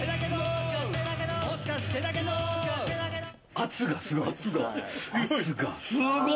圧がすごい。